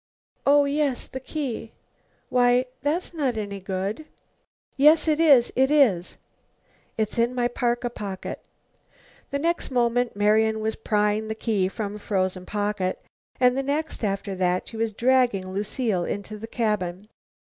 "Oh, yes, the key. Why, that's not any good." "Yes, it is! It is!" "It's in my parka pocket." The next moment Marian was prying the key from a frozen pocket, and the next after that she was dragging Lucile into the cabin.